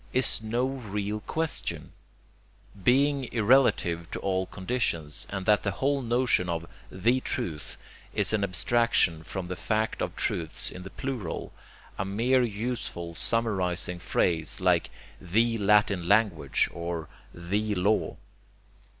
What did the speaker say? is no real question (being irrelative to all conditions) and that the whole notion of THE truth is an abstraction from the fact of truths in the plural, a mere useful summarizing phrase like THE Latin Language or THE Law.